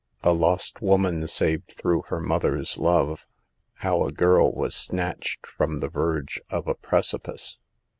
A LOST WOMAN SAVED THROUGH HER MOTH ER'S LOVE HOW A GIRL WAS SNATCHEP FROM THE VERGE OF A PRECIPICE.